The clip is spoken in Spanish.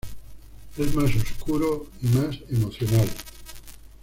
Es más "oscuro" y más emocional.